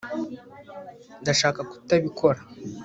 ndashaka kutabikora